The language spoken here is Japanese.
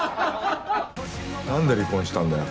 なんで離婚したんだよ？